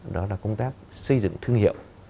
đó là công tác xây dựng thương hiệu